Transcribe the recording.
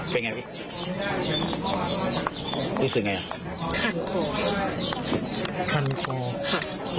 เป็นไงพี่รู้สึกไงอ่ะคันโคคันโคค่ะ